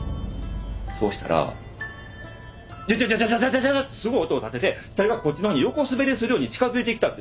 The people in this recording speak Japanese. そしたらジャジャジャジャジャジャってすごい音を立てて死体がこっちの方に横滑りするように近づいてきたんです。